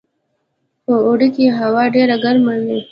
په اوړي کې هوا ډیره ګرمه وي